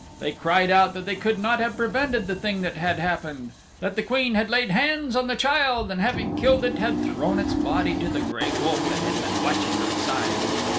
They cried out that they could not have prevented the thing that had happened that the Queen had laid hands on the child and having killed it had thrown its body to the gray wolf that had been watching outside.